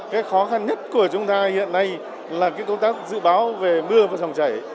cái khó khăn nhất của chúng ta hiện nay là công tác dự báo về mưa và dòng chảy